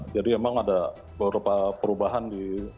jadi emang ada beberapa perubahan di